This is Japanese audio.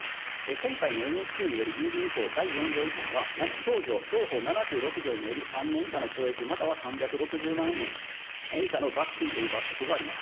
今回のＮＨＫによる郵便法第４条違反は、同法７６条により３年以下の懲役、または３６０万円以下の罰金という罰則があります。